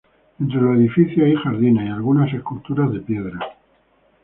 Entre los edificios hay jardines y algunas esculturas de piedra.